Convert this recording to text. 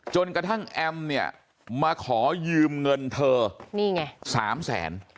จนกระทั่งแอมเนี่ยมาขอยืมเงินเธอนี่ไง๓แสน